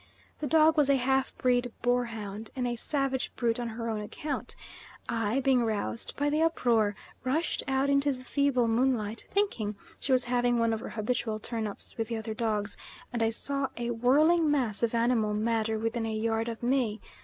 The dog was a half bred boarhound, and a savage brute on her own account. I, being roused by the uproar, rushed out into the feeble moonlight, thinking she was having one of her habitual turns up with other dogs, and I saw a whirling mass of animal matter within a yard of me.